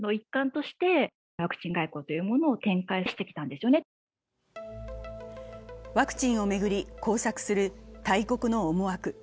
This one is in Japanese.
しかしワクチンを巡り交錯する大国の思惑。